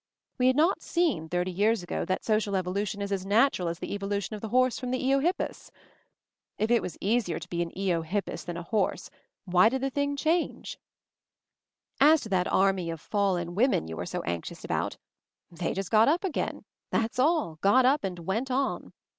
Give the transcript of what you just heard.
We had not seen, thirty years ago, that social evolution is as 'natural' as the evolution of the horse from the eohippus. If it was easier MOVING THE MOUNTAIN 257 to be an eohippus than a horse why did the thing change? "As to that army of 'fallen women 5 you are so anxious about, they just got up again, that's all, got up and went on.